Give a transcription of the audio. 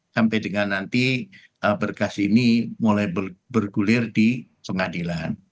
sampai dengan nanti berkas ini mulai bergulir di pengadilan